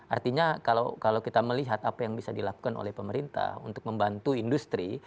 artinya kalau kita melihat apa yang bisa dilakukan oleh pemerintah untuk membantu industri